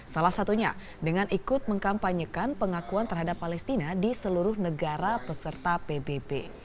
salah satunya dengan ikut mengkampanyekan pengakuan terhadap palestina di seluruh negara peserta pbb